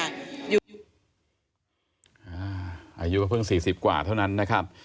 อายุเพิ่ง๔๐กว่าเท่านั้นนะครับ